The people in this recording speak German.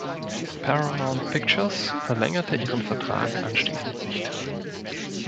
Paramount Pictures verlängerte ihren Vertrag anschließend nicht.